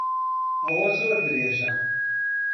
ئەوە زۆر درێژە.